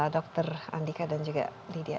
dr andika dan juga lydia